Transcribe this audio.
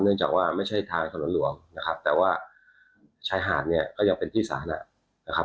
จากว่าไม่ใช่ทางถนนหลวงนะครับแต่ว่าชายหาดเนี่ยก็ยังเป็นที่สาธารณะนะครับ